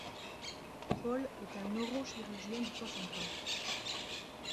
Paul est un neurochirurgien de soixante ans.